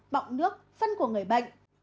bọng nước phân của người bệnh